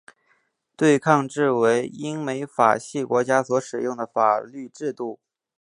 对抗制为英美法系国家所使用的法律制度。